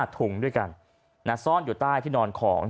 ถุงด้วยกันซ่อนอยู่ใต้ที่นอนของ